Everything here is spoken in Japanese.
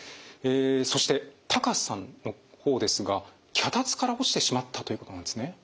そしてタカシさんの方ですが脚立から落ちてしまったということなんですね。